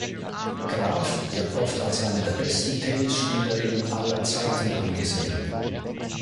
Graf wird oft als eine der besten Tennisspielerinnen aller Zeiten angesehen.